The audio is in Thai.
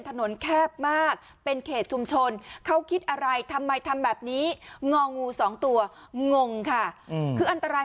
แคบมากเป็นเขตชุมชนเขาคิดอะไรทำไมทำแบบนี้งองูสองตัวงงค่ะคืออันตราย